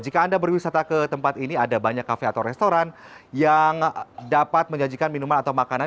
jika anda berwisata ke tempat ini ada banyak kafe atau restoran yang dapat menjanjikan minuman atau makanan